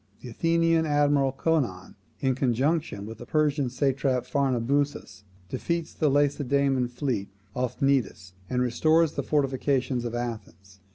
The Athenian admiral Conon, in conjunction with the Persian satrap Pharnabazus, defeats the Lacedaemonian fleet off Cnidus, and restores the fortifications of Athens.